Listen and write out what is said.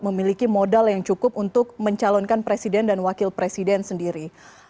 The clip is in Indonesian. memiliki modal yang cukup untuk mencalonkan presiden dan wakil presiden sendiri